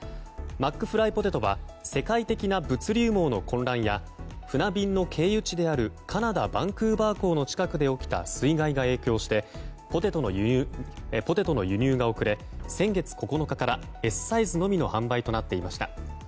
マックフライポテトは世界的な物流網の混乱や船便の経由地であるカナダ・バンクーバー港の近くで起きた水害が影響してポテトの輸入が遅れ先月９日からＳサイズのみの販売となっていました。